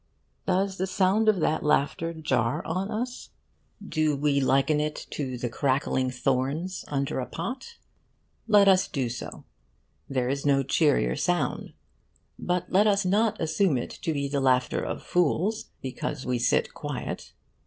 Does the sound of that laughter jar on us? Do we liken it to the crackling of thorns under a pot? Let us do so. There is no cheerier sound. But let us not assume it to be the laughter of fools because we sit quiet.